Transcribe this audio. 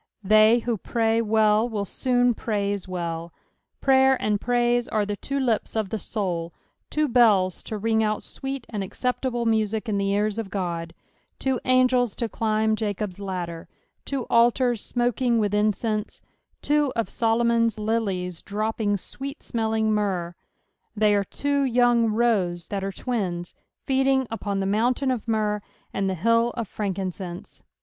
They who pray well, will soon praise well : prayer and praise are the two lips of the soul ; two bells to ring out sweet and acceptable music in the ears of Ood ; two angels lo climb Jacob's ladder : two altars smoking with incense ; two of Solomon's lilies dropping sweet smelling myrrh ; they are two young roes that ere twins, feeding upon the mountain of myrrh and the hill of frankincense.